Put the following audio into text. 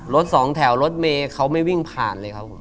รถสองแถวรถเมย์เขาไม่วิ่งผ่านเลยครับผม